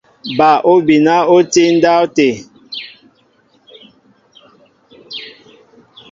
Bal obina oti ndáwte.